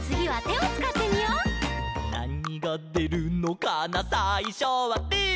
「なにがでるのかなさいしょはぶー」